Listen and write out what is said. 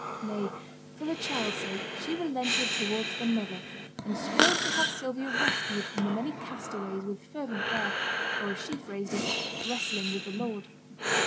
Nay, for the child's sake, she relented towards the mother; and strove to have Sylvia rescued from the many castaways with fervent prayer, or, as she phrased it, 'wrestling with the Lord'.